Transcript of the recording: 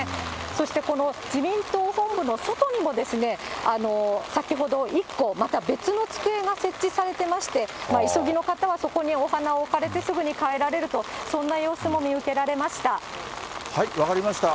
そして、この自民党本部の外にも、先ほど、１個また別の机が設置されていまして、急ぎの方はそこにお花を置かれてすぐに帰られると、分かりました。